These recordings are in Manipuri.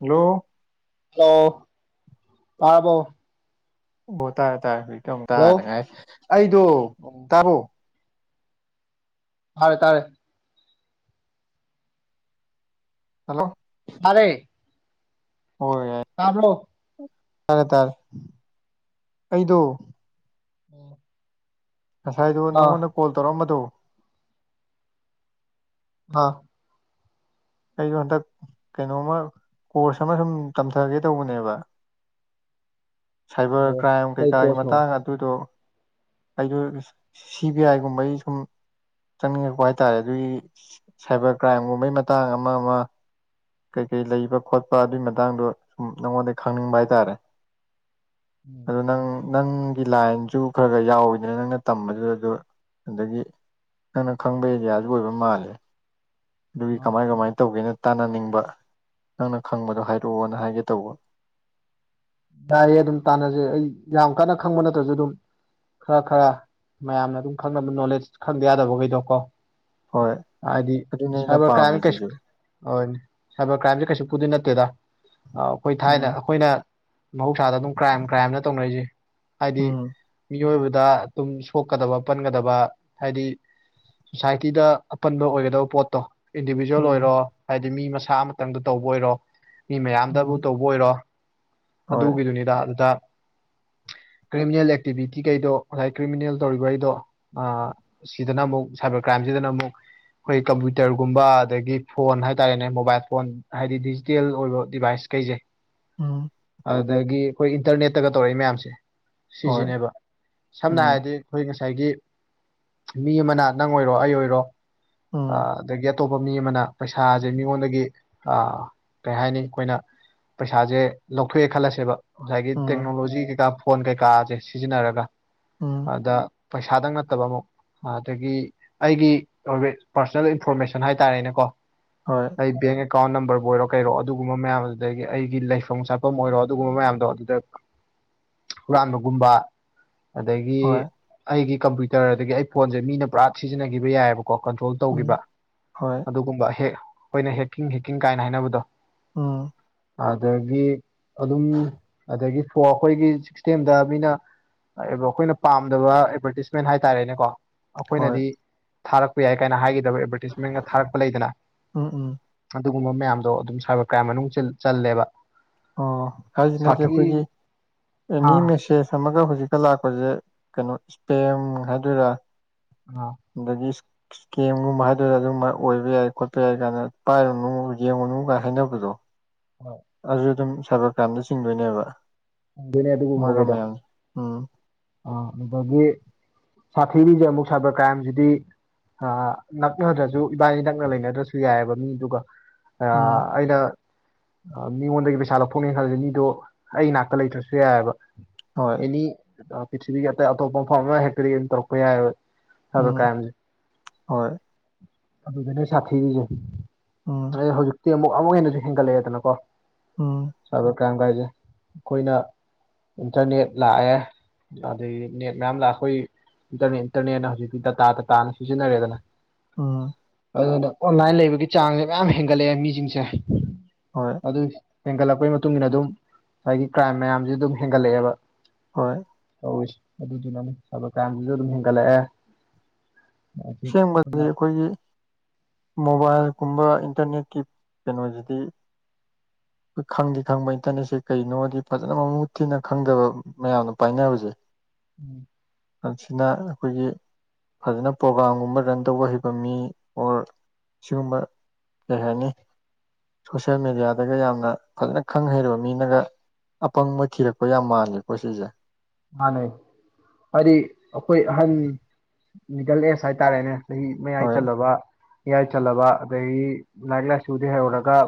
ꯍꯜꯂꯣ ꯑꯣ ꯇꯥꯕꯔꯣ ꯑꯣ ꯇꯥꯔꯦ ꯇꯥꯏꯔꯦ ꯍꯧꯖꯤꯛꯇ ꯑꯃꯨ ꯍꯜꯂꯣ ꯇꯥꯅꯤꯉꯥꯏ ꯑꯩꯗꯣ ꯑꯣ ꯇꯥꯕꯣ ꯇꯥꯔꯦ ꯇꯥꯔꯦ ꯍꯜꯂꯣ ꯇꯥꯔꯦ ꯍꯣꯏꯅꯦ ꯇꯥꯕ꯭ꯔꯣ ꯇꯥꯔꯦ ꯇꯥꯔꯦ ꯑꯩꯗꯣ [inaudible] ꯉꯁꯥꯏꯗꯨꯣ ꯑꯥ ꯑꯥ ꯅꯪꯉꯣꯟꯗ ꯀꯣꯜ ꯇꯧꯔꯛꯑꯝꯕꯗꯣ ꯑꯥ ꯑꯩꯗꯣ ꯍꯟꯗꯛ ꯀꯩꯅꯣꯃ ꯀꯣꯔꯁ ꯑꯃ ꯁꯨꯝ ꯇꯝꯊꯒꯦ ꯇꯧꯕꯅꯦꯕ ꯁꯥꯏꯕꯔ ꯀ꯭ꯔꯥꯏꯝ ꯀꯩ ꯀꯩꯀꯥꯒꯤ ꯀꯣꯔꯁꯅꯣ ꯑꯥ ꯃꯇꯥꯡ ꯑꯗꯨꯗꯣ ꯑꯩꯗ ꯁꯤ ꯕꯤ ꯑꯥꯏꯒꯨꯝꯕꯒꯤ ꯁꯨꯝ ꯆꯪꯅꯤꯡꯉꯛꯄ ꯍꯥꯏ ꯇꯥꯔꯦ ꯑꯗꯨꯒꯤ ꯁꯥꯏꯕꯔ ꯀ꯭ꯔꯥꯏꯝꯒꯨꯝꯕꯩ ꯃꯇꯥꯡ ꯑꯃ ꯑꯃ ꯀꯩ ꯀꯩ ꯂꯩꯕ ꯈꯣꯠꯄ ꯑꯗꯨꯒꯤ ꯃꯇꯥꯡꯗꯣ ꯁꯨꯝ ꯅꯪꯉꯣꯟꯗꯩ ꯈꯪꯅꯤꯡꯕ ꯍꯥꯏꯇꯥꯔꯦ ꯑꯗꯨ ꯅꯪ ꯅꯪꯒꯤ ꯂꯥꯏꯟꯁꯨ ꯈꯔ ꯈꯔ ꯌꯥꯎꯋꯤꯗꯅ ꯅꯪꯅ ꯇꯝꯕꯗꯨꯗ ꯑꯗꯨ ꯑꯗꯒꯤ ꯅꯪꯅ ꯈꯪꯕ ꯑꯦꯔꯤꯌꯥꯗꯨ ꯑꯣꯏꯕ ꯃꯥꯜꯂꯦ ꯑꯗꯨꯒꯤ ꯀꯃꯥꯏ ꯀꯃꯥꯏꯅ ꯇꯧꯒꯦꯅ ꯇꯥꯟꯅꯅꯤꯡꯕ ꯅꯪꯅ ꯈꯪꯕꯗꯣ ꯍꯥꯏꯔꯛꯑꯣꯅ ꯍꯥꯏꯒꯦ ꯇꯧꯕ ꯌꯥꯏꯌꯦ ꯑꯗꯨꯝ ꯇꯥꯟꯅꯁꯦ ꯑꯩ ꯌꯥꯝ ꯀꯟꯅ ꯈꯪꯕ ꯅꯠꯇ꯭ꯔꯁꯨ ꯑꯗꯨꯝ ꯈꯔ ꯈꯔ ꯃꯌꯥꯝꯅ ꯑꯗꯨꯝ ꯈꯪꯅ ꯑꯗꯨꯝ ꯅꯣꯂꯦꯖ ꯈꯪꯗ ꯌꯥꯗꯕꯈꯩꯗꯣ ꯀꯣ ꯍꯣꯏ ꯍꯥꯏꯗꯤ ꯑꯗꯨꯅꯦ ꯑꯩꯅ ꯁꯥꯏꯕꯔ ꯀ꯭ꯔꯥꯏꯝ ꯄꯥꯝꯃꯤꯁꯤꯁꯨ ꯍꯣꯏꯅꯦ ꯁꯥꯏꯕꯔ ꯀ꯭ꯔꯥꯏꯝꯁꯦ ꯀꯩꯁꯨ ꯄꯨꯗꯤ ꯅꯠꯇꯦꯗ ꯑꯩꯈꯣꯏ ꯊꯥꯏꯅ ꯎꯝ ꯑꯩꯈꯣꯏꯅ ꯃꯍꯧꯁꯥꯗ ꯑꯗꯨꯝ ꯀ꯭ꯔꯥꯏꯝ ꯀ꯭ꯔꯥꯏꯝꯅ ꯇꯧꯅꯔꯤꯁꯦ ꯍꯥꯏꯗꯤ ꯎꯝ ꯃꯤꯑꯣꯏꯕꯗ ꯑꯗꯨꯨꯝ ꯁꯣꯛꯀꯗꯕ ꯄꯟꯒꯗꯕ ꯍꯥꯏꯗꯤ ꯁꯣꯁꯥꯏꯇꯤꯗ ꯑꯄꯟꯕ ꯑꯣꯏꯒꯗꯕ ꯄꯣꯠꯇꯣ ꯏꯟꯗꯤꯕꯤꯖꯨꯋꯦꯜ ꯎꯝ ꯑꯣꯏꯔꯣ ꯍꯥꯏꯗꯤ ꯃꯤ ꯃꯁꯥ ꯑꯃꯇꯪꯗ ꯇꯧꯕ ꯑꯣꯏꯔꯣ ꯃꯤ ꯃꯌꯥꯝꯗꯕꯨ ꯎꯝ ꯇꯧꯕ ꯑꯣꯏꯔꯣ ꯍꯣꯏ ꯑꯗꯨꯒꯤꯗꯨꯅꯤꯗ ꯑꯗꯨꯗ ꯀ꯭ꯔꯤꯃꯤꯅꯦꯜ ꯑꯦꯛꯇꯤꯚꯇꯤꯈꯩꯗꯣ ꯉꯁꯥꯏ ꯀ꯭ꯔꯤꯃꯤꯅꯦꯜ ꯇꯧꯔꯤꯕꯈꯩꯗꯣ ꯁꯤꯗꯅ ꯑꯃꯨꯛ ꯁꯥꯏꯕꯔ ꯀ꯭ꯔꯥꯏꯝꯁꯤꯗꯅ ꯑꯃꯨꯛ ꯑꯩꯈꯣꯏ ꯀꯝꯄ꯭ꯌꯨꯇꯔꯒꯨꯝꯕ ꯑꯗꯒꯤ ꯐꯣꯟ ꯍꯥꯏꯇꯥꯔꯦꯅꯦ ꯃꯣꯕꯥꯏꯜ ꯐꯣꯟ ꯍꯥꯏꯗꯤꯗꯤ ꯇꯦꯜ ꯑꯣꯏꯕ ꯗꯤꯚꯥꯏꯁ ꯀꯩꯁꯦ ꯎꯝ ꯑꯗꯒꯤ ꯑꯩꯈꯣꯏ ꯏꯟꯇꯔꯅꯦꯠꯇꯒ ꯇꯧꯔꯛꯏ ꯃꯌꯥꯝꯁꯦ ꯍꯣꯏ ꯁꯤꯁꯤꯅꯦꯕ ꯁꯝꯅ ꯎꯝ ꯍꯥꯏꯔꯗꯤ ꯑꯩꯈꯣꯏ ꯉꯁꯥꯏꯒꯤ ꯃꯤ ꯑꯃꯅ ꯅꯪ ꯑꯣꯏꯔꯣ ꯑꯩ ꯑꯣꯏꯔꯣ ꯎꯝ ꯑꯗꯒꯤ ꯑꯇꯣꯞꯄ ꯃꯤ ꯑꯃꯅ ꯄꯩꯁꯥꯁꯦ ꯃꯤꯉꯣꯟꯗꯒꯤ ꯀꯩ ꯍꯥꯏꯅꯤ ꯑꯩꯈꯣꯏꯅ ꯄꯩꯁꯥꯥꯁꯦ ꯂꯧ ꯊꯣꯛꯑꯦ ꯈꯜꯂꯁꯦꯕ ꯉꯁꯥꯏꯒꯤ ꯎꯝ ꯇꯦꯛꯅꯣꯂꯣꯖꯤ ꯀꯩꯀꯥ ꯐꯣꯟ ꯀꯩꯀꯥꯁꯦ ꯁꯤꯖꯤꯟꯅꯔꯒ ꯎꯝ ꯑꯗ ꯄꯩꯁꯥꯗꯪ ꯅꯠꯇꯕ ꯑꯃꯨꯛ ꯑꯗꯒꯤ ꯑꯩꯒꯤ ꯄꯥꯔꯁꯣꯅꯦꯜ ꯏꯟꯐꯣꯔꯃꯦꯁꯟ ꯍꯥꯏꯇꯥꯔꯦꯅꯦꯀꯣ ꯍꯣꯏ ꯑꯩ ꯕꯦꯡ ꯑꯦꯀꯥꯎꯟ ꯅꯝꯕꯔꯕꯨ ꯑꯣꯏꯔꯣ ꯀꯩꯔꯣ ꯑꯗꯨꯒꯨꯝꯕ ꯃꯌꯥꯝ ꯑꯗꯨꯗꯒꯤ ꯑꯩꯒꯤ ꯂꯩꯐꯝ ꯆ ꯃꯐꯝ ꯑꯣꯏꯔꯣ ꯑꯗꯨꯒꯨꯝꯕ ꯃꯌꯥꯝꯗꯣ ꯑꯗꯨꯗ ꯍꯨꯔꯥꯟꯕꯒꯨꯝꯕ ꯑꯗꯒꯤ ꯍꯣꯏ ꯑꯩꯒꯤ ꯀꯝꯄ꯭ꯌꯨꯇꯔ ꯑꯗꯒꯤ ꯑꯩ ꯐꯣꯟꯁꯦ ꯃꯤꯅ ꯄꯨꯔꯥ ꯁꯤꯖꯤꯟꯅꯈꯤꯕ ꯌꯥꯏꯑꯕꯀꯣ ꯀꯟꯇ꯭ꯔꯣꯜ ꯇꯧꯈꯤꯕ ꯎꯝ ꯍꯣꯏ ꯑꯗꯨꯒꯨꯝꯕ ꯍꯦꯛ ꯑꯩꯈꯣꯏꯅ ꯍꯦꯛꯀꯤꯡ ꯍꯦꯛꯀꯤꯡ ꯀꯥꯏꯅ ꯍꯥꯏꯅꯕꯗꯣ ꯑ ꯑꯗꯒꯤ ꯑꯗꯨꯝ ꯑꯗꯒꯤ ꯐ ꯑꯩꯈꯣꯏꯒꯤ ꯁꯤꯛꯁꯇꯦꯝꯗ ꯃꯤꯅ ꯑꯩꯈꯣꯏꯅ ꯄꯥꯝꯗꯕ ꯑꯦꯗꯚꯔꯇꯤꯁꯃꯦꯟ ꯍꯥꯏꯇꯥꯔꯦꯅꯦꯀꯣ ꯍꯣꯏ ꯑꯩꯈꯣꯏꯅꯗꯤ ꯊꯥꯔꯛꯄ ꯌꯥꯏ ꯀꯥꯏꯅ ꯍꯥꯏꯒꯗꯕ ꯑꯦꯗꯚꯔꯇꯤꯁꯃꯦꯟꯒ ꯊꯥꯔꯛꯄ ꯂꯩꯗꯅ ꯎꯝ ꯎꯝ ꯑꯗꯨꯒꯨꯝꯕ ꯃꯌꯥꯝꯗꯣ ꯑꯗꯨꯝ ꯁꯥꯏꯕꯔ ꯀ꯭ꯔꯥꯏꯝ ꯃꯅꯨꯡ ꯆꯜꯂꯦꯕ ꯑꯣ ꯍꯥꯏꯁꯤꯅꯗꯤꯦ ꯁꯥꯊꯤ ꯑꯩꯈꯣꯏꯒꯤ ꯑꯦꯅꯤ ꯑꯥ ꯃꯦꯁꯦꯖ ꯁꯝꯃꯒ ꯍꯧꯖꯤꯛꯀ ꯂꯥꯛꯄꯁꯦ ꯀꯩꯅꯣ ꯏꯁꯄꯦꯝ ꯍꯥꯏꯗꯣꯏꯔꯥ ꯑ ꯗꯗꯤꯁ ꯀꯦꯝꯒꯨꯝꯕ ꯍꯥꯏꯗꯨꯔꯒ ꯑꯗꯨꯝ ꯑꯣꯏꯕ ꯌꯥꯏ ꯈꯣꯠꯄ ꯌꯥꯏ ꯀꯥꯏꯅ ꯄꯥꯏꯔꯨꯅꯨ ꯌꯦꯡꯉꯨꯅꯨ ꯀꯥꯏꯅ ꯍꯥꯏꯅꯕꯗꯣ ꯍ ꯑꯗꯨ ꯑꯗꯨꯝ ꯁꯥꯏꯕꯔ ꯀ꯭ꯔꯥꯏꯝꯗ ꯆꯤꯡꯗꯣꯏꯅꯦꯕ ꯆꯟꯗꯣꯏꯅꯦ ꯃꯣꯏꯒ ꯃꯌꯥꯝꯁꯦ ꯎꯝ ꯑ ꯑꯗꯨꯗꯒꯤ ꯁꯥꯊꯤꯔꯤꯁꯦ ꯑꯃꯨꯛ ꯁꯥꯏꯕꯔ ꯀ꯭ꯔꯥꯏꯝꯁꯤꯗꯤ ꯅꯛꯅꯗ꯭ꯔꯁꯨ ꯏꯕꯥꯅꯤ ꯅꯛꯅ ꯂꯩꯅꯗ꯭ꯔꯁꯨ ꯌꯥꯏꯑꯕ ꯃꯤ ꯑꯗꯨꯒ ꯎꯝ ꯑꯩꯅ ꯃꯤꯉꯣꯟꯗꯒꯤ ꯄꯩꯁꯥ ꯂꯧꯊꯣꯛꯅꯦꯅ ꯈꯜꯂꯁꯦ ꯃꯤꯗꯣ ꯑꯩ ꯅꯥꯛꯇ ꯂꯩꯇ꯭ꯔꯁꯨ ꯌꯥꯏꯑꯕ ꯍꯣꯏ ꯑꯦꯅꯤ ꯄ꯭ꯔꯤꯊꯤꯕꯤꯒꯤ ꯑꯇꯩ ꯑꯇꯣꯞꯄ ꯃꯐꯝ ꯑꯃ ꯍꯦꯛꯇꯔꯤ ꯇꯧꯔꯛꯄ ꯌꯥꯏꯑꯕ ꯑꯗꯣ ꯎꯝ ꯀꯥꯏꯝꯁ ꯍꯣꯏ ꯑꯗꯨꯗꯤ ꯅꯣꯏ ꯁꯥꯊꯤꯒꯤꯁꯦ ꯑꯣ ꯑꯩ ꯍꯧꯖꯤꯛꯇꯤ ꯑꯃꯨꯛ ꯑꯃꯨꯛ ꯍꯦꯟꯅꯁꯨ ꯍꯦꯟꯒꯠꯂꯛꯑꯦꯗꯅꯣ ꯑꯣ ꯁꯥꯏꯕꯔ ꯀ꯭ꯔꯥꯏꯝ ꯀꯥꯏꯁꯦ ꯑꯩꯈꯣꯏꯅ ꯏꯟꯇꯔꯅꯦꯠ ꯂꯥꯛꯑꯦ ꯑꯗꯒꯤ ꯅꯦꯠ ꯃꯌꯥꯝ ꯂꯥꯛꯑꯦ ꯑꯩꯈꯣꯏ ꯏꯟꯇꯔ ꯏꯟꯇꯔꯅꯦꯠꯅ ꯍꯧꯖꯤꯛꯇꯤ ꯗꯇꯥ ꯇꯥꯇꯥꯅ ꯁꯤꯖꯤꯟꯅꯔꯦꯗꯅ ꯑꯣ ꯑꯗꯨꯅ ꯑꯣꯟꯂꯥꯏꯟ ꯂꯩꯕꯒꯤ ꯆꯥꯡꯁꯦ ꯃꯌꯥꯝ ꯍꯦꯟꯒꯠꯂꯛꯑꯦ ꯃꯤꯁꯤꯡꯁꯦ ꯍꯣꯏ ꯑꯗꯨ ꯍꯦꯟꯒꯠꯂꯛꯄꯒꯤ ꯃꯇꯨꯡ ꯏꯟꯅ ꯑꯗꯨꯝ ꯉꯁꯥꯏꯒꯤ ꯀ꯭ꯔꯥꯏꯝ ꯃꯌꯥꯝꯁꯦ ꯑꯗꯨꯝ ꯍꯦꯟꯒꯠꯂꯛꯑꯦꯕ ꯍꯣꯏ ꯇꯧꯋ ꯑꯗꯨꯗꯨꯅ ꯊꯕ ꯀꯥꯏꯌꯥꯝꯗꯨꯁꯨ ꯑꯗꯨꯝ ꯍꯦꯟꯒꯠꯂꯛꯑꯦ ꯍꯧꯖꯤꯛ ꯑꯁꯦꯡꯕꯗꯤ ꯑꯩꯈꯣꯏꯅ ꯑꯩꯈꯣꯏꯒꯤ ꯃꯣꯕꯥꯏꯜꯒꯨꯝꯕ ꯏꯟꯇꯔꯅꯦꯠꯀꯤ ꯀꯩꯅꯣꯁꯤꯗꯤ ꯑꯩꯈꯣꯏ ꯈꯪꯗꯤ ꯈꯪꯕ ꯏꯟꯇꯔꯅꯦꯠꯁꯦ ꯀꯩꯅꯣꯗꯤ ꯐꯖꯅ ꯃꯃꯨꯠ ꯊꯤꯅ ꯈꯪꯗꯕ ꯃꯌꯥꯝꯅ ꯄꯥꯏꯅꯕꯁꯤꯅꯤ ꯎꯝ ꯃꯁꯤꯅ ꯑꯩꯈꯣꯏꯒꯤ ꯐꯖꯅ ꯄ꯭ꯔꯣꯒꯥꯝꯒꯨꯝꯕ ꯔꯟ ꯇꯧꯕ ꯍꯩꯕ ꯃꯤ ꯑꯣꯔ ꯁꯤꯒꯨꯝꯕ ꯀꯩ ꯍꯥꯏꯅꯤ ꯁꯣꯁꯤꯌꯦꯦꯜ ꯃꯦꯗꯤꯌꯥꯗꯒ ꯌꯥꯝꯅ ꯐꯖꯅ ꯈꯪ ꯍꯩꯔꯕ ꯃꯤꯅꯒ ꯑꯄꯪꯕ ꯊꯤꯔꯛꯄ ꯌꯥꯝ ꯃꯥꯜꯂꯦꯀꯣ ꯁꯤꯁꯦ ꯃꯥꯥꯟꯅꯩ ꯍꯥꯏꯗꯤ ꯑꯩꯈꯣꯏ ꯑꯍꯟ ꯃꯤꯗꯜ ꯑꯦꯖ ꯍꯥꯏꯇꯥꯔꯦꯅꯦ ꯆꯍꯤ ꯃꯌꯥꯏ ꯍꯣꯏ ꯆꯜꯂꯕ ꯃꯌꯥꯏ ꯆꯜꯂꯕ ꯑꯗꯒꯤ ꯂꯥꯏꯔꯤꯛ ꯂꯥꯏꯁꯨꯗꯤ ꯍꯩꯍꯧꯔꯒ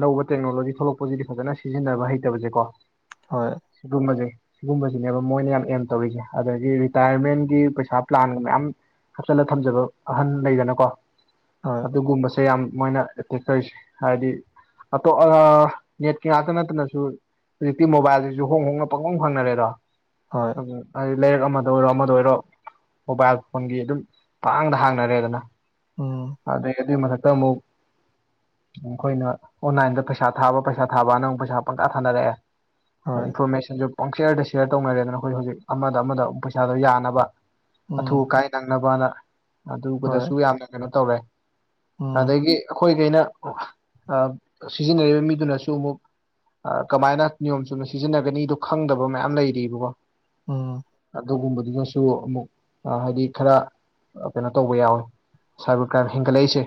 ꯑꯅꯧꯕ ꯇꯦꯛꯅꯣꯂꯣꯖꯤ ꯊꯣꯛꯂꯛꯄꯁꯤꯗꯤ ꯐꯖꯅ ꯁꯤꯖꯤꯟꯅꯕ ꯍꯩꯇꯕꯁꯦꯀꯣ ꯍꯣꯏ ꯁꯤꯒꯨꯝꯕꯁꯦ ꯁꯤꯒꯨꯝꯕꯁꯦ ꯁꯤꯅꯦꯕ ꯃꯣꯏꯅ ꯌꯥꯝ ꯑꯦꯝ ꯇꯧꯔꯤꯁꯦ ꯑꯗꯒꯤ ꯔꯤꯇꯥꯌꯔꯃꯦꯟꯒꯤ ꯄꯩꯁꯥ ꯄ꯭ꯂꯥꯟꯒ ꯃꯌꯥꯝ ꯍꯥꯞꯆꯜꯂ ꯊꯝꯖꯕ ꯑꯍꯟ ꯂꯩꯗꯅꯀꯣ ꯍꯣꯏ ꯑꯗꯨꯒꯨꯝꯕꯁꯦ ꯌꯥꯝ ꯃꯣꯏꯅ ꯑꯦꯇꯦꯛ ꯇꯧꯔꯤꯁꯦ ꯍꯥꯏꯗꯤ ꯑꯇꯣꯞ ꯅꯦꯠꯀꯤ ꯉꯥꯛꯇ ꯅꯠꯇꯅꯁꯨ ꯍꯧꯖꯤꯛꯇꯤ ꯃꯣꯕꯥꯏꯜꯁꯤꯁꯨ ꯍꯣꯡ ꯍꯣꯡꯅ ꯄꯪꯉꯝ ꯐꯪꯅꯔꯦꯗꯣ ꯍꯣꯏ ꯎ ꯍꯥꯏꯗꯤ ꯂꯩꯔꯛ ꯑꯃꯗ ꯑꯣꯏꯔꯣ ꯑꯃꯗ ꯑꯣꯏꯔꯣ ꯃꯣꯕꯥꯏꯜ ꯐꯣꯟꯒꯤ ꯑꯗꯨꯝ ꯄꯥꯡꯗ ꯍꯥꯡꯅꯔꯦꯗꯅ ꯑꯣ ꯑꯗ ꯑꯗꯨꯢ ꯃꯊꯛꯇ ꯑꯃꯨꯛ ꯑꯩꯈꯣꯏꯅ ꯑꯣꯟꯂꯥꯏꯟꯗ ꯄꯩꯁꯥ ꯊꯥꯕ ꯄꯩꯁꯥ ꯊꯥꯕꯅꯪꯛ ꯄꯩꯁꯥ ꯄꯪꯀꯥ ꯊꯥꯅꯔꯛꯑꯦ ꯍꯣꯏ ꯏꯟꯐꯣꯔꯃꯦꯁꯟꯁꯨ ꯄꯪꯆꯔꯗ ꯁꯤꯌꯔ ꯇꯧꯅꯔꯦꯗꯅ ꯑꯩꯈꯣꯏ ꯍꯧꯖꯤꯛ ꯑꯃꯗ ꯑꯃꯗ ꯄꯩꯁꯥꯗꯣ ꯌꯥꯅꯕ ꯑꯊꯨ ꯎꯝ ꯑꯀꯥꯏ ꯅꯪꯅꯕꯅ ꯍꯣꯏ ꯑꯗꯨꯗꯁꯨ ꯌꯥꯝꯅ ꯀꯩꯅꯣ ꯇꯧꯔꯦ ꯎꯝ ꯑꯗꯒꯤ ꯑꯩꯈꯣꯏꯈꯩꯅ ꯁꯤꯖꯤꯟꯅꯔꯤꯕ ꯃꯤꯗꯨꯅꯁꯨ ꯑꯃꯨꯛ ꯀꯃꯥꯏꯅ ꯅꯤꯌꯣꯝ ꯆꯨꯝꯅ ꯁꯤꯖꯤꯟꯅꯒꯅꯤꯗꯣ ꯈꯪꯗꯕ ꯃꯌꯥꯝ ꯂꯩꯀꯣ ꯎꯝ ꯑꯗꯨꯒꯨꯝꯕꯗꯨꯒꯁꯨ ꯑꯃꯨꯛ ꯍꯥꯏꯗꯤ ꯈꯔ ꯀꯩꯅꯣ ꯇꯧꯕ ꯌꯥꯎꯋꯦ ꯁꯥꯏꯕꯔ ꯀ꯭ꯔꯥꯏꯝ ꯍꯦꯟꯒꯠꯂꯛꯏꯁꯦ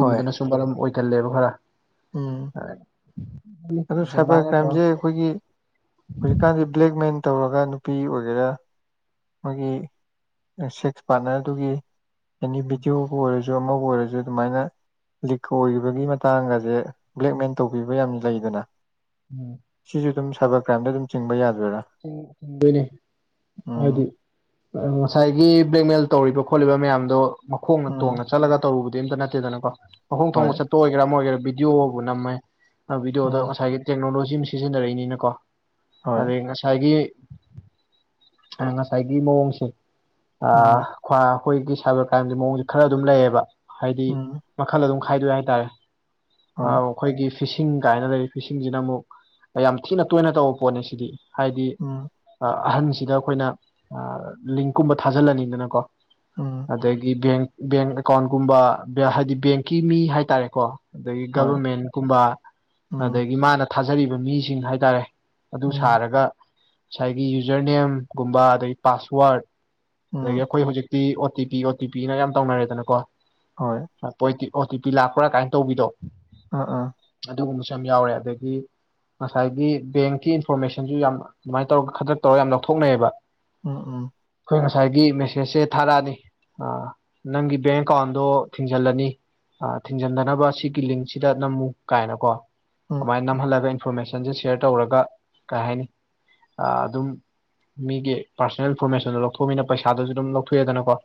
ꯍꯣꯏ ꯃꯔꯝ ꯑꯣꯏꯀꯜꯂꯦꯕ ꯈꯔ ꯎꯝ ꯍ ꯑꯗꯨ ꯁꯥꯏꯕꯔ ꯀ꯭ꯔꯥꯏꯝꯁꯦ ꯑꯩꯈꯣꯏꯒꯤ ꯍꯧꯖꯤꯛꯀꯥꯟꯗꯤ ꯕ꯭ꯂꯦꯛꯃꯦꯟ ꯇꯧꯔꯒ ꯅꯨꯄꯤ ꯑꯣꯏꯒꯦꯔꯥ ꯃꯣꯏꯒꯤ ꯁꯦꯛꯁ ꯄꯥꯔꯠꯅꯔꯗꯨꯒꯤ ꯑꯦꯅꯤ ꯚꯤꯗꯤꯑꯣ ꯕꯨ ꯑꯣꯏꯔꯁꯨ ꯑꯃꯕꯨ ꯑꯣꯏꯔꯁꯨ ꯑꯗꯨꯃꯥꯏꯅ ꯂꯤꯛ ꯑꯣꯏꯕꯒꯤ ꯃꯇꯥꯡ ꯑꯁꯦ ꯕ꯭ꯂꯦꯛꯃꯦꯟ ꯇꯧꯕꯤꯕ ꯌꯥꯝ ꯂꯩꯗꯅ ꯎꯝ ꯁꯤꯁꯨ ꯑꯗꯨꯝ ꯁꯥꯏꯕꯔ ꯀ꯭ꯔꯥꯏꯝꯗ ꯑꯗꯨꯝ ꯆꯤꯡꯕ ꯌꯥꯗꯣꯏꯔꯥ ꯆꯤꯡꯗꯣꯏꯅꯦ ꯎꯝ ꯍꯥꯏꯗꯤ ꯉꯁꯥꯏꯒꯤ ꯕ꯭ꯂꯦꯛꯃꯦꯜ ꯇꯧꯔꯤꯕ ꯈꯣꯠꯂꯤꯕ ꯃꯌꯥꯝꯗꯣ ꯃꯈꯣꯡꯅ ꯎꯝ ꯇꯣꯡꯉ ꯆꯠꯂꯒ ꯇꯧꯔꯨꯕꯗꯤ ꯑꯝꯇ ꯅꯠꯇꯦꯗꯅꯀꯣ ꯃꯈꯣꯡ ꯍꯣꯏ ꯊꯣꯡꯕ ꯆꯠꯄ ꯑꯣꯏꯒꯦꯔꯥ ꯑꯃ ꯑꯣꯏꯒꯦꯔꯥ ꯚꯤꯗꯤꯑꯣꯕ ꯅꯝꯃꯦ ꯚꯤꯗꯤꯑꯣꯗ ꯎꯝ ꯉꯁꯥꯏꯒꯤ ꯇꯦꯛꯅꯣꯂꯣꯖꯤ ꯑꯃ ꯁꯤꯖꯤꯟꯅꯔꯛꯏꯅꯤꯅꯀꯣ ꯍꯣꯏ ꯑꯗꯩ ꯉꯥꯏ ꯉꯁꯥꯏꯒꯤ ꯉꯁꯥꯏꯒꯤ ꯃꯑꯣꯡꯁꯦ ꯑ ꯎꯝ ꯈ ꯑꯩꯈꯣꯏꯒꯤ ꯁꯥꯏꯕꯔ ꯀ꯭ꯔꯥꯏꯝꯒꯤ ꯃꯑꯣꯡꯁꯦ ꯈꯔ ꯑꯗꯨꯝ ꯂꯩꯌꯦꯕ ꯍꯥꯏꯗꯤ ꯎꯝ ꯃꯈꯜ ꯑꯗꯨꯝ ꯈꯥꯏꯗꯣꯛꯑꯦ ꯍꯥꯏꯇꯥꯔꯦ ꯍꯣꯏ ꯑꯧꯎ ꯑꯩꯈꯣꯏꯒꯤ ꯐꯤꯁꯤꯡ ꯀꯥꯏꯅ ꯂꯩꯔꯤ ꯐꯤꯁꯤꯡꯁꯤꯅ ꯑꯃꯨꯛ ꯌꯥꯝ ꯊꯤꯅ ꯇꯣꯏꯅ ꯇꯧꯕ ꯄꯣꯠꯅꯤ ꯁꯤꯗꯤ ꯍꯥꯏꯗꯤ ꯎꯝ ꯑꯍꯟꯁꯤꯗ ꯑꯩꯈꯣꯏꯅ ꯂꯤꯡꯀꯨꯝꯕ ꯊꯥꯖꯤꯜꯂꯅꯤꯗꯅꯀꯣ ꯎꯝ ꯑꯗꯒꯤ ꯕꯦꯡ ꯕꯦꯡ ꯑꯦꯀꯥꯎꯟꯒꯨꯝꯕ ꯍꯥꯏꯗꯤ ꯕꯦꯡꯀꯤ ꯃꯤ ꯍꯥꯏꯇꯥꯔꯦꯀꯣ ꯑꯗꯒꯤ ꯍꯣꯏ ꯒꯕꯔꯃꯦꯟꯀꯨꯝꯕ ꯎꯝ ꯑꯗꯒꯤ ꯃꯥꯅ ꯊꯥꯖꯔꯤꯕ ꯃꯤꯁꯤꯡ ꯍꯥꯏꯇꯥꯔꯦ ꯑꯗꯨ ꯎꯝ ꯁꯥꯔꯒ ꯉꯁꯥꯏꯒꯤ ꯌꯨꯖꯔ ꯅꯦꯝꯒꯨꯝꯕ ꯑꯗꯒꯤ ꯄꯥꯁꯋꯥꯔꯗ ꯑꯗꯒꯤ ꯎꯝ ꯑꯩꯈꯣꯏ ꯍꯧꯖꯤꯛꯇꯤ O T P O T ꯄꯤꯅ ꯌꯥꯝ ꯇꯧꯅꯔꯦꯗꯅꯀꯣ ꯍꯣꯏ ꯑꯣ ꯇꯤ ꯄꯤ ꯂꯥꯛꯄ꯭ꯔꯥ ꯀꯥꯏꯅ ꯇꯧꯕꯤꯗꯣ ꯑꯥ ꯑꯥ ꯑꯗꯨꯒꯨꯝꯕꯁꯨ ꯌꯥꯝ ꯌꯥꯎꯔꯦ ꯑꯗꯒꯤ ꯉꯁꯥꯏꯒꯤ ꯕꯦꯡꯀꯤ ꯏꯟꯐꯣꯔꯃꯦꯁꯟ ꯌꯥꯝ ꯑꯗꯨꯃꯥꯏꯅ ꯇꯧꯔꯒ ꯈꯗ꯭ꯔꯛ ꯇꯧꯔꯒ ꯌꯥꯝ ꯂꯧꯊꯣꯛꯅꯩꯑꯕ ꯎꯝ ꯎꯝ ꯑꯩꯈꯣꯏ ꯉꯁꯥꯏꯒꯤ ꯃꯦꯁꯦꯁꯁꯦ ꯊꯥꯔꯛꯑꯅꯤ ꯑꯥ ꯅꯪꯒꯤ ꯕꯦꯡ ꯑꯦꯀꯥꯎꯟꯗꯣ ꯊꯤꯡꯖꯜꯂꯅꯤ ꯊꯤꯡꯖꯤꯟꯗꯅꯕ ꯑꯁꯤꯒꯤꯒꯤ ꯂꯤꯡꯁꯤꯗ ꯅꯝꯃꯨ ꯀꯥꯏꯅꯀꯣ ꯎꯝ ꯑꯗꯨꯃꯥꯏꯅ ꯅꯝꯍꯜꯂꯒ ꯏꯟꯐꯣꯔꯃꯦꯁꯟꯁꯦ ꯁꯤꯌꯔ ꯇꯧꯔꯒ ꯀꯩ ꯍꯥꯏꯅꯤ ꯑꯗꯨꯝ ꯃꯤꯒꯤ ꯄꯥꯔꯁꯣꯅꯦꯜ ꯏꯟꯐꯣꯔꯃꯦꯁꯟꯗꯣ ꯂꯧꯊꯣꯛꯃꯤꯅ ꯄꯩꯁꯥꯗꯨꯁꯨ ꯑꯗꯨꯝ ꯂꯧꯊꯣꯛꯑꯦꯗꯅꯀꯣ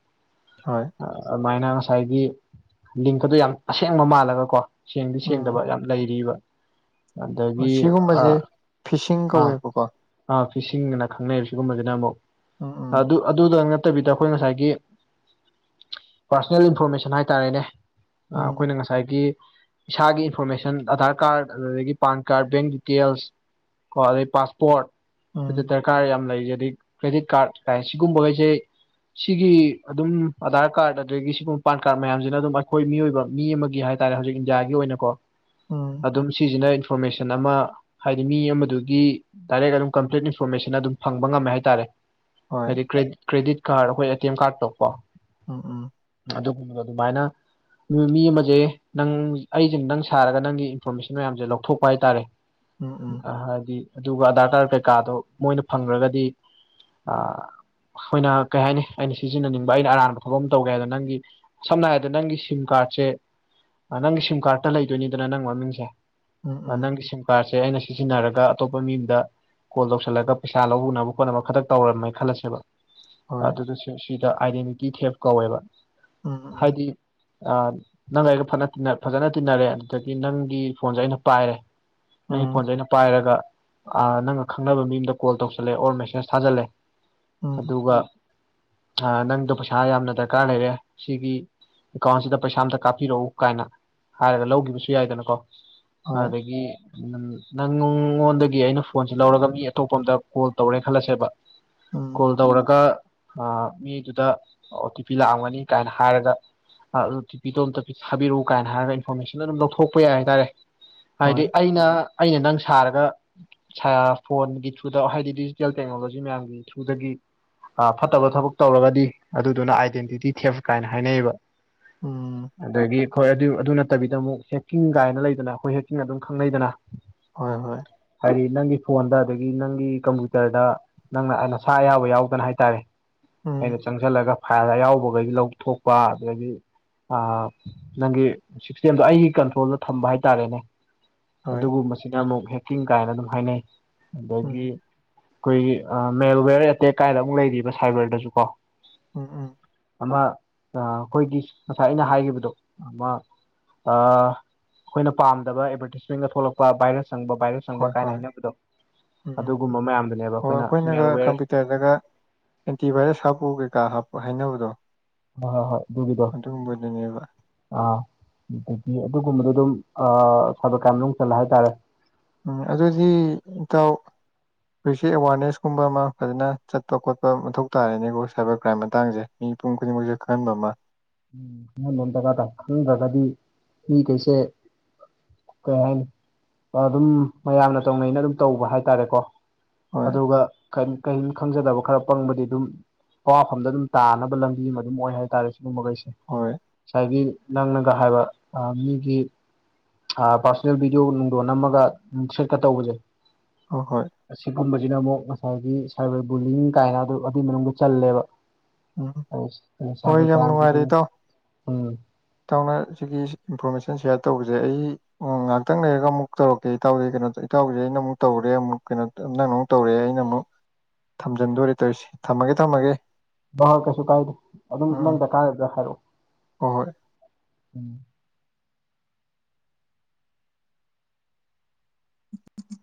ꯍꯣꯏ ꯑꯗꯨꯃꯥꯏꯅ ꯉꯁꯥꯏꯒꯤ ꯂꯤꯡꯀꯗꯣ ꯌꯥꯝ ꯑꯁꯦꯡꯕ ꯃꯥꯜꯂꯒꯀꯣ ꯁꯦꯡꯗꯤ ꯎꯝ ꯁꯦꯡꯗꯕ ꯌꯥꯝ ꯂꯩꯔꯤꯕ ꯑꯗꯒꯤ ꯁꯤꯒꯨꯝꯕꯁꯦ ꯐꯤꯁꯤꯡ ꯀꯧꯋꯦꯕꯀꯣ ꯑ ꯐꯤꯁꯤꯡꯒꯅ ꯈꯪꯅꯩꯔꯤꯕ ꯁꯤꯒꯨꯝꯕꯁꯤꯅ ꯑꯃꯨꯛ ꯎꯝ ꯎꯝ ꯑꯗꯨ ꯑꯗꯨꯗ ꯅꯠꯇꯕꯤꯗ ꯑꯩꯈꯣꯏ ꯉꯁꯥꯏꯒꯤ ꯄꯥꯔꯁꯣꯅꯦꯜ ꯏꯟꯐꯣꯔꯃꯦꯁꯟ ꯍꯥꯏꯇꯥꯔꯦꯅꯦ ꯑ ꯎꯝ ꯑꯩꯈꯣꯏꯅ ꯉꯁ ꯉꯁꯥꯏꯒꯤ ꯏꯁꯥꯒꯤ ꯏꯟꯐꯣꯔꯃꯦꯁꯟ ꯑꯙꯥꯔ ꯀꯥꯔꯠ ꯑꯗꯨꯗꯒꯤ ꯄꯥꯟ ꯀꯥꯔꯠ ꯕꯦꯡ ꯗꯤꯇꯦꯜꯁ ꯀꯣ ꯑꯗꯩ ꯄꯥꯁꯄꯣꯔꯠ ꯁꯤꯗ ꯎꯝ ꯗꯔꯀꯥꯔ ꯌꯥꯝ ꯂꯩꯔꯤꯖꯩ ꯑꯗꯩ ꯀ꯭ꯔꯦꯗꯤꯠ ꯀꯥꯔꯠ ꯀꯥꯏ ꯁꯤꯒꯨꯝꯕꯈꯩꯁꯦ ꯁꯤꯒꯤ ꯑꯗꯨꯝ ꯑꯙꯥꯔ ꯀꯥꯔꯗ ꯑꯗꯒꯤ ꯁꯤꯒꯨꯝꯕ ꯄꯥꯟ ꯀꯥꯔꯗ ꯃꯌꯥꯝꯁꯤꯅ ꯑꯗꯨꯝ ꯑꯩꯈꯣꯏ ꯃꯤꯑꯣꯏꯕ ꯃꯤ ꯑꯃꯒꯤ ꯍꯥꯏ ꯍꯥꯏꯇꯥꯥꯔꯦ ꯍꯧꯖꯤꯛ ꯏꯟꯗꯤꯌꯥꯒꯤ ꯑꯣꯏꯅ ꯀꯣ ꯎꯝ ꯑꯗꯨꯝ ꯁꯤꯁꯤꯅ ꯏꯟꯐꯣꯔꯃꯦꯁꯟ ꯑꯃ ꯍꯥꯏꯗꯤ ꯃꯤ ꯑꯃ ꯑꯗꯨꯒꯤ ꯗꯥꯏꯔꯦꯛ ꯑꯗꯨꯝ ꯀꯝꯄ꯭ꯂꯤꯠ ꯏꯟꯐꯣꯔꯃꯦꯁꯟ ꯑꯗꯨꯝ ꯐꯪꯕ ꯉꯝꯃꯦ ꯍꯥꯏꯇꯥꯔꯦ ꯍꯣꯏ ꯍꯥꯏꯗꯤ ꯀ꯭ꯔꯦꯗꯤꯠ ꯀ꯭ꯔꯦꯗꯤꯠ ꯀꯥꯔꯗꯈꯣꯏ ꯑꯦ ꯇꯤꯦꯝꯥꯔ ꯇꯣꯄ ꯎꯝ ꯎꯝ ꯑꯗꯨꯒꯨꯝꯕꯗ ꯑꯗꯨꯃꯥꯏꯅ ꯃꯤ ꯑꯃꯁꯦ ꯅꯪ ꯑꯩꯁꯦ ꯅꯪ ꯁꯥꯔꯒ ꯅꯪꯒꯤ ꯏꯟꯐꯣꯔꯃꯦꯁꯟ ꯃꯌꯥꯝꯁꯦ ꯂꯧꯊꯣꯛꯄ ꯍꯥꯏꯇꯥꯔꯦ ꯎꯝ ꯎꯝ [unintelligible] ꯑꯗꯨꯒ ꯑꯙꯔ ꯀꯥꯔ ꯀꯩꯀꯥꯗꯣ ꯃꯣꯏꯅ ꯐꯪꯈ꯭ꯔꯒꯗꯤ ꯑ ꯑꯩꯈꯣꯏꯅ ꯀꯩ ꯍꯥꯏꯅꯤ ꯑꯩꯅ ꯁꯤꯖꯤꯟꯅꯅꯤꯡꯕ ꯑꯩꯅ ꯑꯔꯥꯟꯕ ꯊꯕꯥꯛ ꯑꯃ ꯇꯧꯒꯦ ꯍꯥꯏꯗ ꯅꯪꯒꯤ ꯁꯝꯅ ꯍꯥꯏꯔꯕꯗ ꯅꯪꯒꯤ ꯁꯤꯝ ꯀꯥꯔꯗꯁꯦ ꯅꯪꯒꯤ ꯁꯤꯝ ꯀꯥꯔꯠꯇ ꯂꯩꯗꯣꯏꯅꯤꯗꯅ ꯅꯪ ꯃꯃꯤꯡꯁꯦ ꯎꯝ ꯎꯝ ꯅꯪꯒꯤ ꯁꯤꯝ ꯀꯥꯔꯠꯁꯦ ꯑꯩꯅ ꯁꯤꯖꯤꯟꯅꯔꯒ ꯑꯇꯣꯞꯄ ꯃꯤꯗ ꯀꯣꯜ ꯇꯧꯁꯜꯂꯒ ꯄꯩꯁꯥ ꯂꯧ ꯎꯅꯕ ꯈꯣꯠꯅꯕ ꯈꯛꯇ ꯇꯧꯔꯝꯃꯦꯅ ꯈꯜꯂꯁꯦꯕ ꯍꯣꯏ ꯑꯗꯨ ꯁꯤꯗ ꯑꯥꯏꯗꯦꯟꯇꯤꯇꯤ ꯊꯦꯞ ꯀꯧꯋꯦꯕ ꯎꯝ ꯎꯝ ꯍꯥꯏꯗꯤ ꯑ ꯅꯪꯒ ꯑꯩꯒ ꯐ ꯐꯖꯅ ꯇꯤꯟꯅꯔꯦ ꯑꯗꯨꯗꯒꯤ ꯅꯪꯒꯤ ꯐꯣꯟꯁꯦ ꯑꯩꯅ ꯄꯥꯏꯔꯦ ꯑꯩ ꯐꯣꯟꯁꯦ ꯑꯩꯅ ꯄꯥꯏꯔꯒ ꯅꯪꯒ ꯈꯪꯅꯕ ꯃꯤ ꯑꯃꯗ ꯀꯣꯜ ꯇꯧꯁꯜꯂꯦ ꯑꯣꯔ ꯃꯦꯁꯦꯖ ꯊꯥꯖꯜꯂꯦ ꯎꯝ ꯎꯝ ꯑꯗꯨꯒ ꯑ ꯅꯪꯗꯣ ꯄꯩꯁꯥ ꯌꯥꯝꯅ ꯗꯔꯀꯥꯔ ꯂꯩꯔꯦ ꯁꯤꯒꯤ ꯑꯦꯀꯥꯎꯟꯁꯤꯗ ꯄꯩꯁꯥ ꯑꯃꯝꯇ ꯀꯥꯞꯄꯤꯔꯛꯎ ꯀꯥꯏꯅ ꯍꯥꯏꯔꯒ ꯂꯧꯈꯤꯕꯁꯨ ꯌꯥꯏꯗꯅꯀꯣ ꯍꯣꯏ ꯑꯗꯒꯤ ꯅꯪ ꯑꯩꯅ ꯐꯣꯟꯁꯦ ꯂꯧꯔꯒ ꯃꯤ ꯑꯇꯣꯞꯄ ꯑ ꯑꯃꯗ ꯀꯣꯜ ꯇꯧꯔꯦ ꯈꯜꯂꯁꯦꯕ ꯎꯝ ꯀꯣꯜ ꯇꯧꯔꯒ ꯃꯤꯗꯨꯗ ꯑꯣ ꯇꯤ ꯄꯤ ꯂꯥꯛꯑꯝꯒꯅꯤ ꯀꯥꯏꯅ ꯍꯥꯏꯔꯒ ꯑꯗꯨ ꯇꯤ ꯄꯤꯗꯣ ꯑꯝꯇ ꯊꯥꯕꯤꯔꯛꯎ ꯀꯥꯏꯅ ꯍꯥꯏꯔꯒ ꯏꯟꯐꯣꯔꯃꯦꯁꯟ ꯑꯗꯨꯝ ꯂꯧꯊꯣꯛꯄ ꯌꯥꯏ ꯍꯥꯏꯇꯥꯔꯦ ꯍꯥꯏꯗꯤ ꯍꯣꯏ ꯑꯩꯅ ꯑꯩꯅ ꯅꯪ ꯁꯥꯔꯒ ꯐꯣꯟꯒꯤ ꯊ꯭ꯔꯨꯗ ꯍꯥꯏꯗꯤ ꯗꯤꯖꯤꯇꯦꯜ ꯇꯦꯛꯅꯣꯂꯣꯖꯤ ꯃꯌꯥꯝꯒꯤ ꯊ꯭ꯔꯨꯗꯒꯤ ꯑ ꯐꯠꯇꯕ ꯊꯕꯛ ꯇꯧꯔꯒꯗꯤ ꯑꯗꯨꯗꯨꯅ ꯑꯥꯏꯗꯦꯟꯇꯤꯇꯤ ꯊꯦꯞ ꯀꯥꯏꯅ ꯍꯥꯏꯅꯩꯌꯦꯕ ꯎꯝ ꯑꯗꯒꯤ ꯍꯣꯏ ꯑꯗꯨ ꯑꯗꯨ ꯅꯠꯇꯕꯤꯗ ꯑꯃꯨꯛ ꯍꯦꯛꯀꯤꯡ ꯀꯥꯏꯅ ꯂꯩꯗꯅ ꯑꯩꯈꯣꯏ ꯍꯦꯛꯀꯤꯡ ꯑꯗꯨꯝ ꯈꯪꯅꯩꯗꯅ ꯍꯣꯏ ꯍꯣꯏ ꯍꯥꯏꯗꯤ ꯅꯪꯒꯤ ꯐꯣꯟꯗ ꯑꯗꯒꯤ ꯅꯪꯒꯤ ꯀꯝꯄ꯭ꯌꯨꯇꯔꯗ ꯅꯪꯅ ꯑ ꯅꯁꯥ ꯑꯌꯥꯕ ꯌꯥꯎꯗꯅ ꯍꯥꯏꯇꯥꯔꯦ ꯎꯝ ꯑꯩꯅ ꯆꯪꯁꯤꯜꯂꯒ ꯐꯥꯏꯜ ꯑꯌꯥꯎꯕꯈꯩꯒꯤ ꯂꯧ ꯊꯣꯛꯣꯛꯄ ꯑꯗꯒꯤ ꯅꯪꯒꯤ ꯁꯤꯁꯇꯦꯝꯗꯣ ꯑꯩꯒꯤ ꯀꯟꯇ꯭ꯔꯣꯜꯗ ꯊꯝꯕ ꯍꯥꯏꯇꯥꯔꯦꯅꯦ ꯍꯣꯏ ꯑꯗꯨꯒꯨꯝꯕꯁꯤꯅ ꯑꯃꯨꯛ ꯍꯦꯛꯀꯤꯡ ꯀꯥꯏꯅ ꯑꯗꯨꯝ ꯍꯥꯏꯅꯩ ꯑꯗꯒꯤ ꯎꯝ ꯑꯩꯈꯣꯏꯒꯤ ꯃꯦꯜꯋꯦꯌꯔ ꯑꯦꯇꯦꯛ ꯀꯥꯏꯗ ꯑꯃꯨꯛ ꯂꯩꯔꯤꯕ ꯁꯥꯏꯕꯔꯗꯁꯨ ꯀꯣ ꯎꯝ ꯎꯝ ꯑꯃ ꯑꯩꯈꯣꯏꯒꯤ ꯉꯁꯥꯏ ꯑꯩꯅ ꯍꯥꯏꯈꯤꯕꯗꯣ ꯑꯃ ꯑꯩꯈꯣꯏꯅ ꯄꯥꯝꯗꯕ ꯑꯦꯗꯚꯔꯇꯤꯁꯃꯦꯟꯒ ꯊꯣꯛꯂꯛꯄ ꯚꯥꯏꯔꯁ ꯆꯪꯕ ꯚꯥꯏꯔꯁ ꯆꯪꯕ ꯍꯣꯏ ꯀꯥꯏꯅ ꯍꯣꯏ ꯍꯥꯏꯅꯕꯗꯣ ꯎꯝ ꯑꯗꯨꯒꯨꯝꯕ ꯃꯌꯥꯝꯗꯨꯅꯦꯕ ꯑꯩꯈꯣꯏꯅ ꯃꯦꯜꯋꯦꯔ ꯍꯇꯔꯗꯒ ꯑꯦꯟꯇꯤꯚꯥꯏꯔꯁ ꯍꯥꯞꯄꯨ ꯀꯩꯀꯥ ꯍꯥꯞꯄ ꯍꯥꯏꯅꯕꯗꯣ ꯍ ꯍꯣꯏ ꯍꯣꯏ ꯑꯗꯨꯒꯤꯗꯣ ꯑꯗꯨꯒꯨꯝꯕꯗꯨꯅꯦꯕ ꯑ ꯑꯗꯒꯤ ꯑꯗꯨꯒꯨꯝꯕꯗꯣ ꯑꯗꯨꯝ ꯑ ꯁꯕ ꯀꯌꯥ ꯃꯅꯨꯡ ꯆꯜꯂ ꯍꯥꯏꯇꯥꯔꯦ ꯎꯝ ꯑꯗꯨꯗꯤ ꯏꯇꯥꯎ ꯍꯧꯖꯤꯛꯁ ꯑꯦꯋꯥꯔꯅꯦꯁꯀꯨꯝꯕ ꯑꯃ ꯐꯖꯅ ꯆꯠꯄ ꯈꯣꯠꯄ ꯃꯊꯧ ꯇꯥꯔꯦꯅꯦꯀꯣ ꯁꯥꯏꯕꯔ ꯀ꯭ꯔꯥꯏꯝ ꯃꯇꯥꯡꯁꯦ ꯃꯤꯄꯨꯝ ꯈꯨꯗꯤꯡꯃꯛꯁꯨꯦ ꯈꯟꯕꯃ ꯎꯝ ꯅ ꯂꯣꯝꯗꯖꯒꯥꯗ ꯈꯪꯗ꯭ꯔꯒꯗꯤ ꯃꯤ ꯀꯩꯁꯦ ꯀꯩ ꯍꯥꯏꯅꯤ ꯑꯗꯨꯝ ꯃꯌꯥꯝꯅ ꯇꯧꯅꯩꯅ ꯑꯗꯨꯝ ꯇꯧꯕ ꯍꯥꯏꯇꯥꯔꯦꯀꯣ ꯍꯣꯏ ꯑꯗꯨꯒ ꯀꯔꯤꯝ ꯈꯪꯖꯗꯕ ꯈꯔ ꯄꯪꯕꯗꯤ ꯑꯗꯨꯝ ꯄꯋꯥꯐꯝꯗ ꯑꯗꯨꯝ ꯇꯥꯅꯕ ꯂꯝꯕꯤ ꯑꯃ ꯑꯗꯨꯝ ꯑꯣꯏ ꯍꯥꯏꯇꯥꯔꯦ ꯑꯗꯨꯒꯨꯝꯕꯒꯩꯁꯦ ꯍꯣꯏ ꯉꯁꯥꯏꯒꯤ ꯅꯪꯅꯒ ꯍꯥꯏꯕ ꯃꯤꯒꯤ ꯄꯥꯔꯁꯣꯅꯦꯜ ꯚꯤꯗꯤꯑꯣ ꯅꯨꯡꯗꯣꯟ ꯅꯝꯃꯒ ꯁꯦꯠꯀ ꯇꯧꯕꯁꯦ ꯑ ꯍꯣꯏ ꯑꯁꯤꯒꯨꯝꯕꯁꯤꯅ ꯑꯃꯨꯛ ꯉꯁꯥꯏꯒꯤ ꯁꯥꯏꯕꯔ ꯕꯨꯂꯤꯡ ꯀꯥꯏꯅ ꯑꯗꯨ ꯑꯗꯨꯏ ꯃꯅꯨꯡꯗ ꯆꯜꯂꯦꯕ ꯎꯝ ꯑ ꯍꯣꯏ ꯁꯕ ꯌꯥꯝ ꯅꯨꯡꯉꯥꯏꯔꯦ ꯏꯇꯥꯎ ꯏꯇꯥꯎꯅ ꯁꯤꯒꯤ ꯏꯟꯐꯣꯔꯃꯦꯁꯟ ꯁꯤꯌꯥꯔ ꯇꯧꯕꯁꯦ ꯑꯩ ꯑꯣ ꯉꯥꯏꯍꯥꯛꯇꯪ ꯂꯩꯔꯒ ꯑꯃꯨꯛ ꯇꯧꯔꯛꯀꯦ ꯏꯇꯥꯎꯗꯤꯩ ꯀꯩꯅꯣ ꯏꯇꯥꯎꯁꯤꯁ ꯑꯩꯅꯨꯛ ꯇꯧꯔꯦ ꯑꯃꯨꯛ ꯀꯩꯅꯣ ꯅꯪ ꯑꯃꯨꯛ ꯇꯧꯔꯛꯑꯦ ꯑꯩꯅ ꯑꯃꯨꯛ ꯊꯝꯖꯤꯟꯗꯣꯣꯔꯦ ꯇꯧꯔꯤꯁꯦ ꯊꯝꯃꯒꯦ ꯊꯝꯃꯒꯦ ꯜ ꯀꯩꯁꯨ ꯀꯥꯏꯗꯦ ꯑꯗꯨꯝ ꯎꯝ ꯅꯪ ꯗ ꯀꯥꯔꯗ꯭ꯔ ꯍꯥꯏꯔꯛꯑꯣ ꯍꯣꯏ ꯍꯣꯏ ꯎ ꯎ